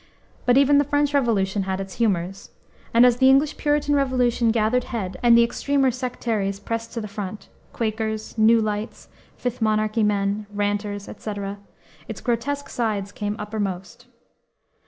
But even the French Revolution had its humors; and as the English Puritan Revolution gathered head and the extremer sectaries pressed to the front Quakers, New Lights, Fifth Monarchy Men, Ranters, etc. its grotesque sides came uppermost.